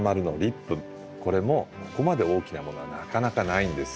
これもここまで大きなものはなかなかないんです。